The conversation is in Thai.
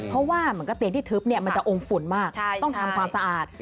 เพราะว่าเตียงที่ทึบมันจะองฝุ่นมากต้องทำความสะอาด